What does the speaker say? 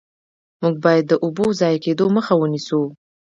موږ باید د اوبو ضایع کیدو مخه ونیسو.